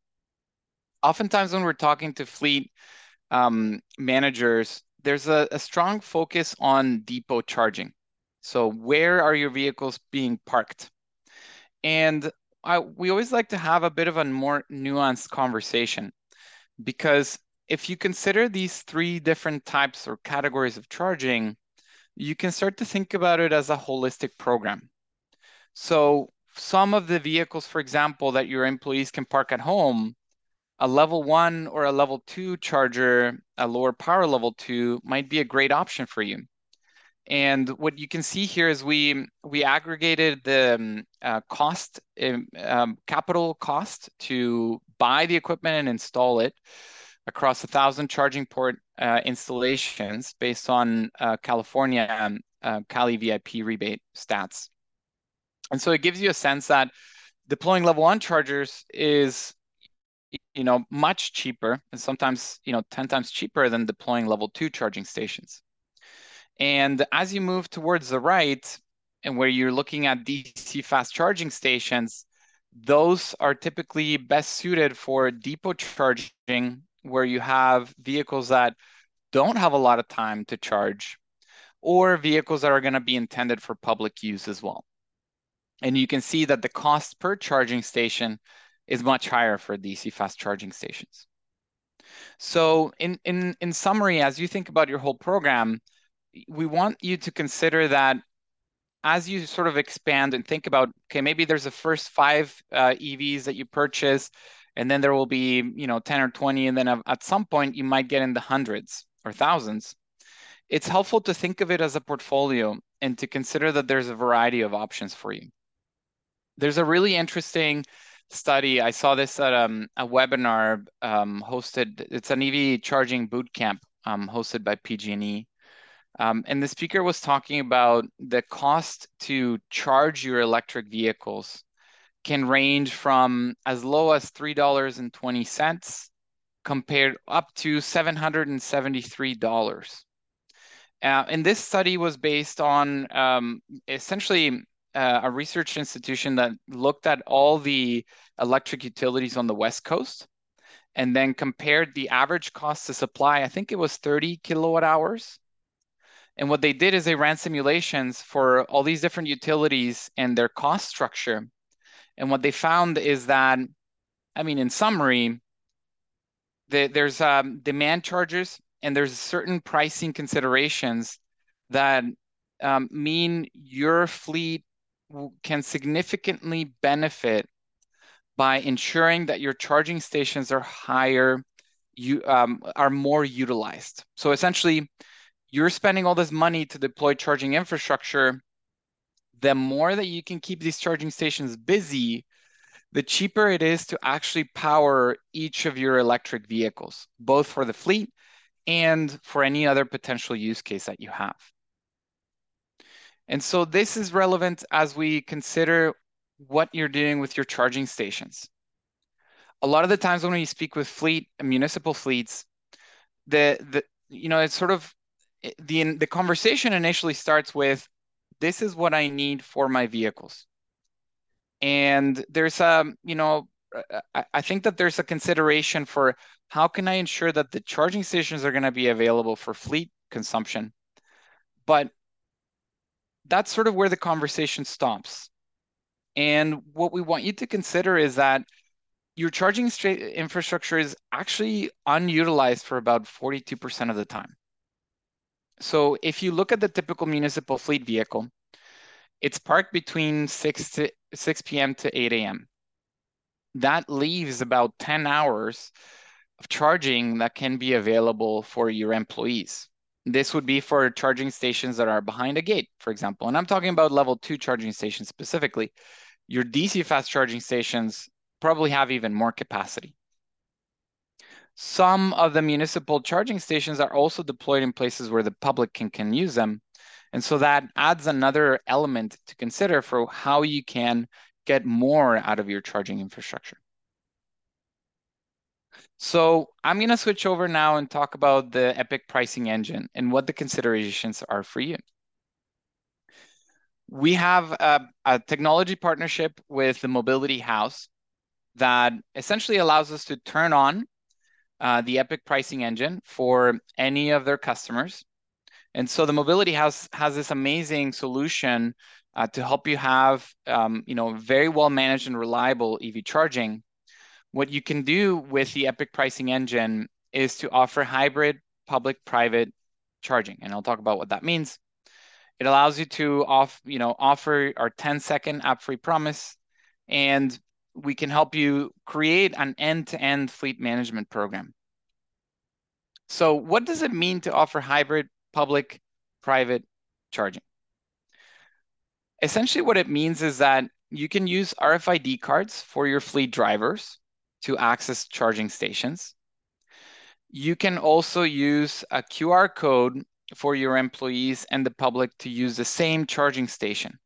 Oftentimes, when we're talking to fleet managers, there's a strong focus on depot charging. So where are your vehicles being parked? We always like to have a bit of a more nuanced conversation because if you consider these three different types or categories of charging, you can start to think about it as a holistic program. So some of the vehicles, for example, that your employees can park at home, a level 1 or a level 2 charger, a lower power level 2, might be a great option for you. What you can see here is we aggregated the capital cost to buy the equipment and install it across 1,000 charging port installations based on California and CALeVIP rebate stats. And so it gives you a sense that deploying Level 1 chargers is, you know, much cheaper and sometimes, you know, 10 times cheaper than deploying Level 2 charging stations. And as you move towards the right, and where you're looking at DC fast charging stations, those are typically best suited for depot charging, where you have vehicles that don't have a lot of time to charge or vehicles that are gonna be intended for public use as well. And you can see that the cost per charging station is much higher for DC fast charging stations. So in summary, as you think about your whole program, we want you to consider that as you sort of expand and think about, okay, maybe there's a first five EVs that you purchase, and then there will be, you know, 10 or 20, and then at some point, you might get in the hundreds or thousands. It's helpful to think of it as a portfolio and to consider that there's a variety of options for you. There's a really interesting study. I saw this at a webinar hosted. It's an EV charging boot camp, hosted by PG&E. And the speaker was talking about the cost to charge your electric vehicles can range from as low as $3.20, compared up to $773. And this study was based on, essentially, a research institution that looked at all the electric utilities on the West Coast and then compared the average cost to supply, I think it was 30 kWhs. And what they did is they ran simulations for all these different utilities and their cost structure, and what they found is that, I mean, in summary, there's demand charges, and there's certain pricing considerations that mean your fleet can significantly benefit by ensuring that your charging stations are highly utilized. So essentially, you're spending all this money to deploy charging infrastructure. The more that you can keep these charging stations busy, the cheaper it is to actually power each of your electric vehicles, both for the fleet and for any other potential use case that you have. This is relevant as we consider what you're doing with your charging stations. A lot of the times when we speak with fleet, municipal fleets, you know, it's sort of the conversation initially starts with, "This is what I need for my vehicles." There's, you know, I think that there's a consideration for how can I ensure that the charging stations are gonna be available for fleet consumption? But that's sort of where the conversation stops. What we want you to consider is that your charging infrastructure is actually unutilized for about 42% of the time. If you look at the typical municipal fleet vehicle, it's parked between six P.M. to eight A.M. That leaves about ten hours of charging that can be available for your employees. This would be for charging stations that are behind a gate, for example, and I'm talking about level two charging stations specifically. Your DC fast charging stations probably have even more capacity. Some of the municipal charging stations are also deployed in places where the public can use them, and so that adds another element to consider for how you can get more out of your charging infrastructure... So I'm gonna switch over now and talk about the Epic Pricing Engine and what the considerations are for you. We have a technology partnership with The Mobility House that essentially allows us to turn on the Epic Pricing Engine for any of their customers. And so The Mobility House has this amazing solution to help you have, you know, very well-managed and reliable EV charging. What you can do with the Epic Pricing Engine is to offer hybrid public-private charging, and I'll talk about what that means. It allows you to you know, offer our ten-second app-free promise, and we can help you create an end-to-end fleet management program. So what does it mean to offer hybrid public-private charging? Essentially, what it means is that you can use RFID cards for your fleet drivers to access charging stations. You can also use a QR code for your employees and the public to use the same charging station,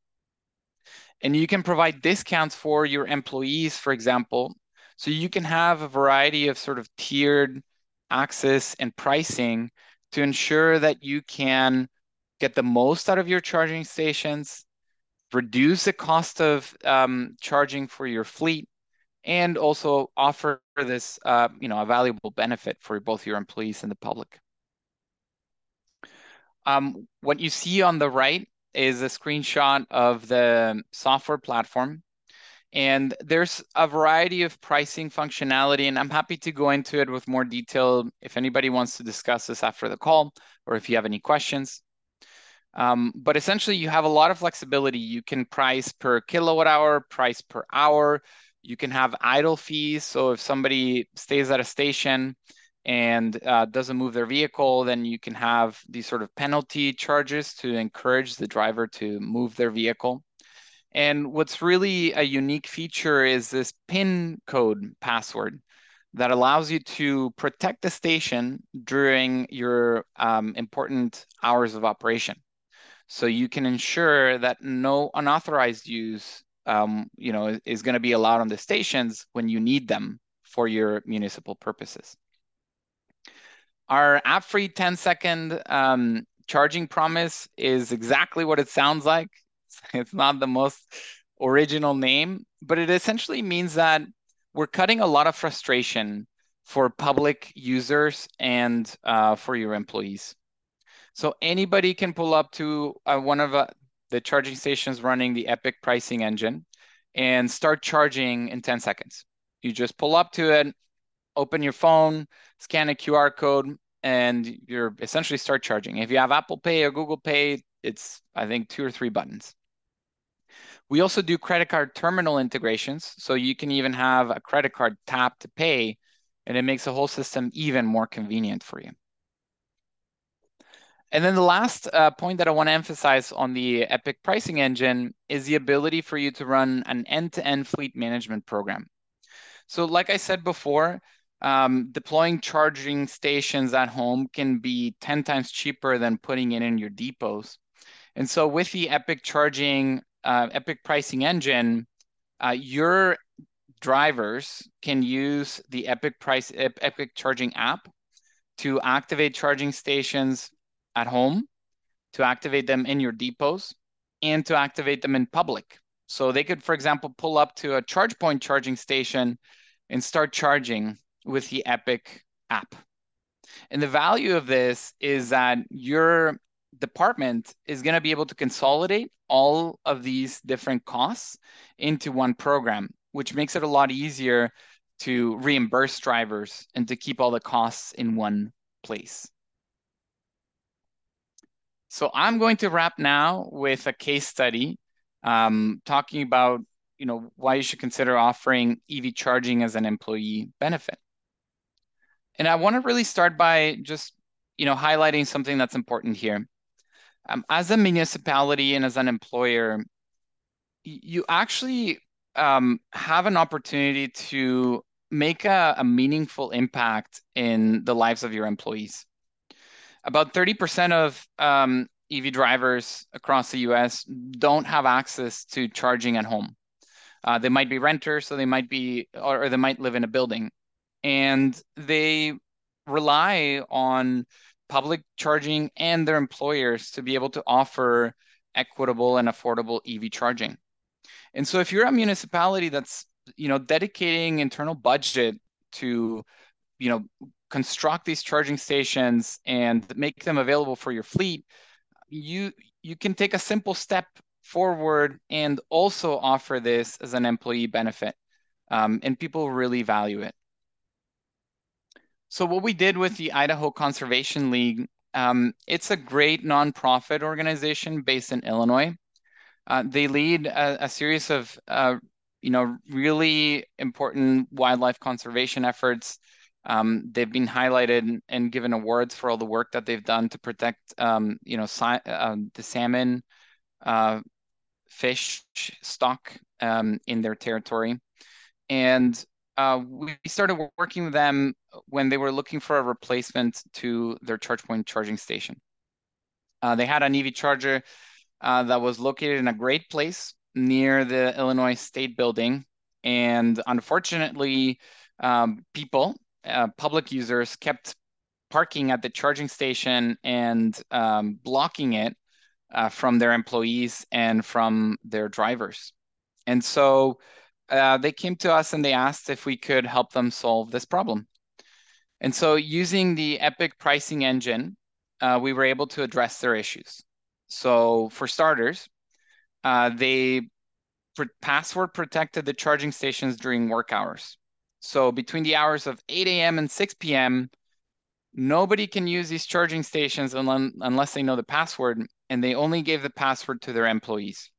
and you can provide discounts for your employees, for example. So you can have a variety of sort of tiered access and pricing to ensure that you can get the most out of your charging stations, reduce the cost of charging for your fleet, and also offer this, you know, a valuable benefit for both your employees and the public. What you see on the right is a screenshot of the software platform, and there's a variety of pricing functionality, and I'm happy to go into it with more detail if anybody wants to discuss this after the call or if you have any questions. But essentially you have a lot of flexibility. You can price per kilowatt hour, price per hour. You can have idle fees, so if somebody stays at a station and doesn't move their vehicle, then you can have these sort of penalty charges to encourage the driver to move their vehicle. And what's really a unique feature is this PIN code password that allows you to protect the station during your important hours of operation. So you can ensure that no unauthorized use you know is gonna be allowed on the stations when you need them for your municipal purposes. Our app-free 10-second charging promise is exactly what it sounds like. It's not the most original name, but it essentially means that we're cutting a lot of frustration for public users and for your employees. So anybody can pull up to one of the charging stations running the Epic Pricing Engine and start charging in 10 seconds. You just pull up to it, open your phone, scan a QR code, and you're essentially start charging. If you have Apple Pay or Google Pay, it's, I think, two or three buttons. We also do credit card terminal integrations, so you can even have a credit card tap to pay, and it makes the whole system even more convenient for you. And then the last point that I want to emphasize on the Epic Pricing Engine is the ability for you to run an end-to-end fleet management program. So, like I said before, deploying charging stations at home can be ten times cheaper than putting it in your depots. And so with the Epic Charging, Epic Pricing Engine, your drivers can use the Epic Charging app to activate charging stations at home, to activate them in your depots, and to activate them in public. So they could, for example, pull up to a ChargePoint charging station and start charging with the Epic app. And the value of this is that your department is gonna be able to consolidate all of these different costs into one program, which makes it a lot easier to reimburse drivers and to keep all the costs in one place. So I'm going to wrap now with a case study, talking about, you know, why you should consider offering EV charging as an employee benefit. And I want to really start by just, you know, highlighting something that's important here. As a municipality and as an employer, you actually have an opportunity to make a meaningful impact in the lives of your employees. About 30% of EV drivers across the U.S. don't have access to charging at home. They might be renters, or they might live in a building, and they rely on public charging and their employers to be able to offer equitable and affordable EV charging. So if you're a municipality that's, you know, dedicating internal budget to, you know, construct these charging stations and make them available for your fleet, you can take a simple step forward and also offer this as an employee benefit, and people really value it. So what we did with the Idaho Conservation League. It's a great nonprofit organization based in Idaho. They lead a series of, you know, really important wildlife conservation efforts. They've been highlighted and given awards for all the work that they've done to protect, you know, the salmon fish stock in their territory. We started working with them when they were looking for a replacement to their ChargePoint charging station. They had an EV charger that was located in a great place near the Illinois State Building. Unfortunately, public users kept parking at the charging station and blocking it from their employees and from their drivers. They came to us, and they asked if we could help them solve this problem. Using the Epic Pricing Engine, we were able to address their issues. For starters, they password-protected the charging stations during work hours. Between the hours of 8:00 A.M. and 6:00 P.M., nobody can use these charging stations unless they know the password, and they only gave the password to their employees.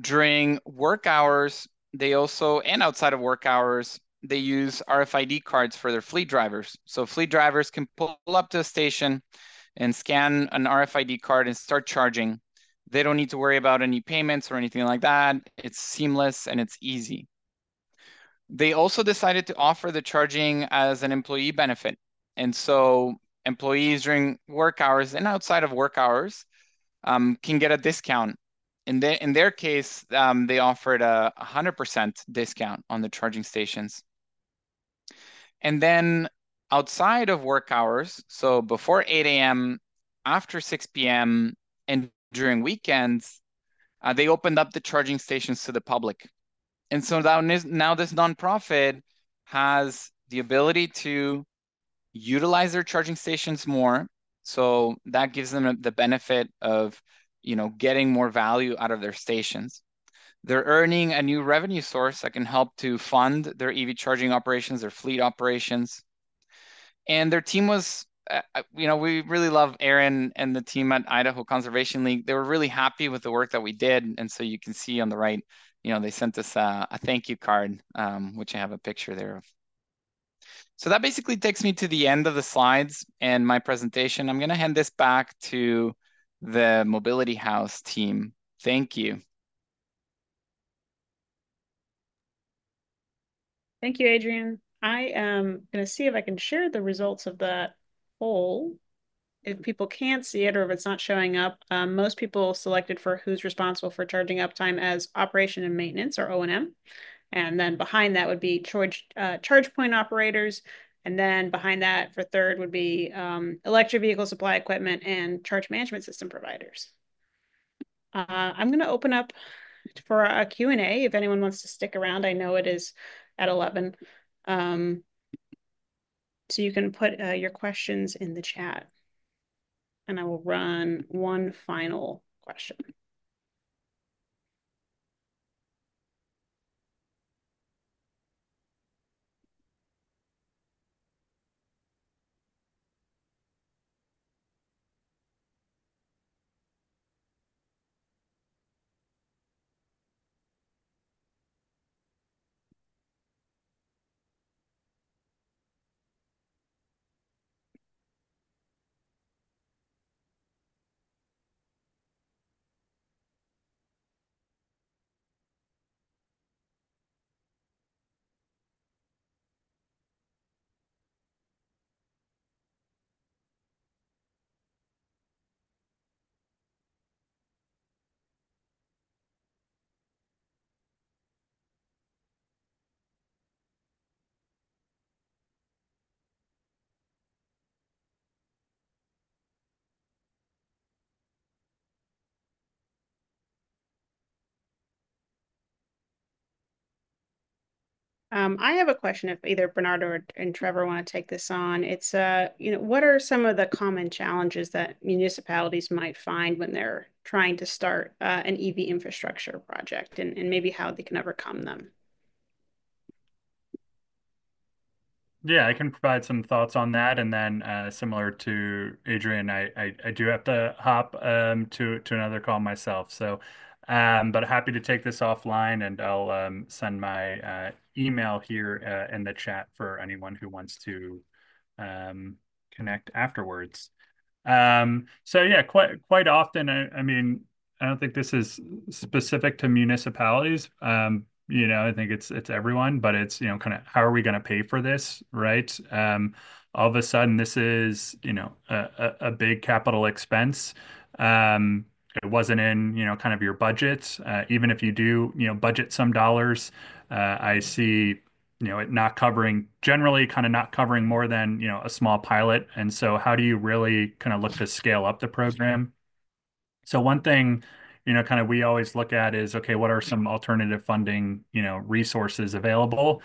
During work hours, they also and outside of work hours, they use RFID cards for their fleet drivers. Fleet drivers can pull up to a station and scan an RFID card and start charging. They don't need to worry about any payments or anything like that. It's seamless, and it's easy. They also decided to offer the charging as an employee benefit, and so employees, during work hours and outside of work hours, can get a discount. In their case, they offered a 100% discount on the charging stations. Then, outside of work hours, so before 8:00 A.M., after 6:00 P.M., and during weekends, they opened up the charging stations to the public. Now this nonprofit has the ability to utilize their charging stations more, so that gives them the benefit of, you know, getting more value out of their stations. They're earning a new revenue source that can help to fund their EV charging operations, their fleet operations. Their team was, you know, we really love Aaron and the team at Idaho Conservation League. They were really happy with the work that we did, and so you can see on the right, you know, they sent us a thank you card, which I have a picture there of. That basically takes me to the end of the slides and my presentation. I'm gonna hand this back to The Mobility House team. Thank you. Thank you, Adrian. I am gonna see if I can share the results of that poll. If people can't see it or if it's not showing up, most people selected for who's responsible for charging uptime as operation and maintenance, or O&M, and then behind that would be charge point operators, and then behind that for third would be electric vehicle supply equipment and charge management system providers. I'm gonna open up for a Q&A if anyone wants to stick around. I know it is at eleven. So you can put your questions in the chat, and I will run one final question. I have a question, if either Bernardo or Trevor want to take this on. It's, you know, what are some of the common challenges that municipalities might find when they're trying to start an EV infrastructure project, and maybe how they can overcome them? Yeah, I can provide some thoughts on that. And then, similar to Adrian, I do have to hop to another call myself, so... but happy to take this offline, and I'll send my email here in the chat for anyone who wants to connect afterwards. So yeah, quite often, I mean, I don't think this is specific to municipalities. You know, I think it's everyone, but it's, you know, kinda, "How are we gonna pay for this?" Right? All of a sudden, this is, you know, a big capital expense. It wasn't in, you know, kind of your budget. Even if you do, you know, budget some dollars, I see, you know, it not covering, generally kind of not covering more than, you know, a small pilot, and so how do you really kind of look to scale up the program? So one thing, you know, kind of we always look at is, okay, what are some alternative funding, you know, resources available?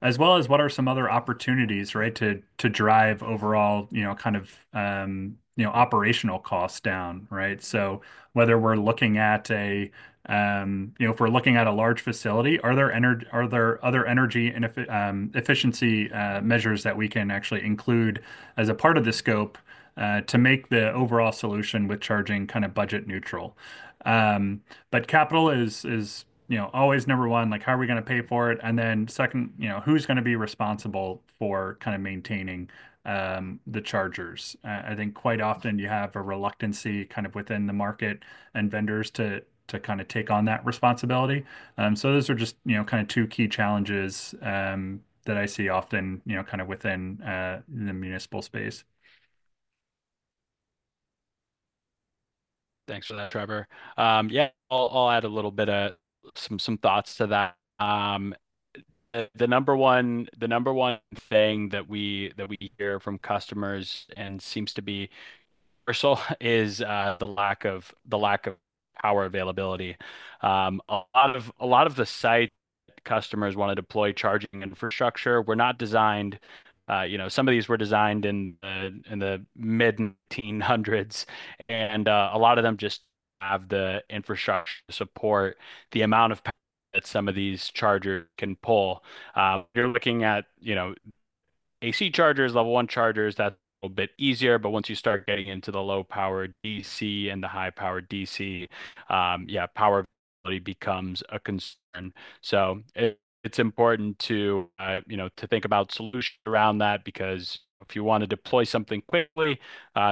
As well as what are some other opportunities, right, to, to drive overall, you know, kind of, operational costs down, right? So whether we're looking at a, you know, if we're looking at a large facility, are there other energy and efficiency measures that we can actually include as a part of the scope, to make the overall solution with charging kind of budget neutral? But capital is, you know, always number one. Like, how are we gonna pay for it? And then second, you know, who's gonna be responsible for kind of maintaining the chargers? I think quite often you have a reluctance kind of within the market and vendors to kind of take on that responsibility. So those are just, you know, kind of two key challenges that I see often, you know, kind of within the municipal space.... Thanks for that, Trevor. Yeah, I'll add a little bit of some thoughts to that. The number one thing that we hear from customers and seems to be personal is the lack of power availability. A lot of the site customers want to deploy charging infrastructure were not designed... You know, some of these were designed in the mid 1900s, and a lot of them just have the infrastructure to support the amount of power that some of these chargers can pull. You're looking at, you know, AC chargers, level one chargers, that's a bit easier, but once you start getting into the low-power DC and the high-power DC, yeah, power really becomes a concern. So it's important to, you know, to think about solutions around that, because if you want to deploy something quickly,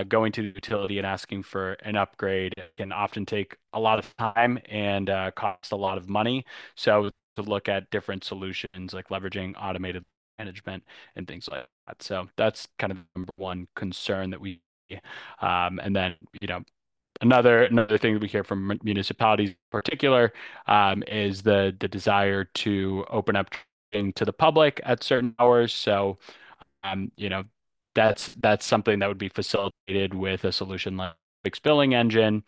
going to the utility and asking for an upgrade can often take a lot of time and cost a lot of money. So to look at different solutions, like leveraging automated management and things like that. So that's kind of the number one concern that we... And then, you know, another thing that we hear from municipalities in particular is the desire to open up to the public at certain hours. So, you know, that's something that would be facilitated with a solution, like billing engine.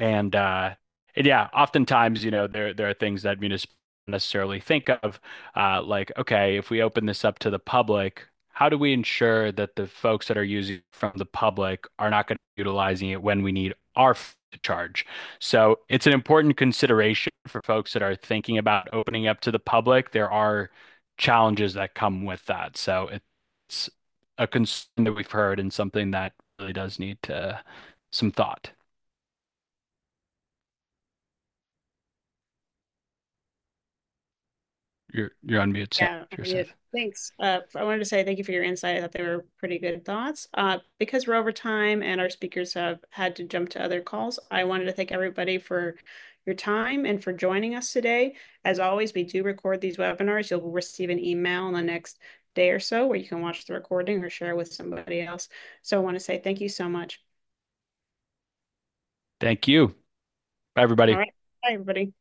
Yeah, oftentimes, you know, there are things that municipalities don't necessarily think of, like, "Okay, if we open this up to the public, how do we ensure that the folks that are using from the public are not gonna utilizing it when we need ours to charge?" It's an important consideration for folks that are thinking about opening up to the public. There are challenges that come with that, so it's a concern that we've heard and something that really does need some thought. You're on mute, Teresa. Yeah, I'm muted. Thanks. I wanted to say thank you for your insight. I thought they were pretty good thoughts. Because we're over time and our speakers have had to jump to other calls, I wanted to thank everybody for your time and for joining us today. As always, we do record these webinars. You'll receive an email in the next day or so, where you can watch the recording or share with somebody else. So I want to say thank you so much. Thank you. Bye, everybody. All right. Bye, everybody.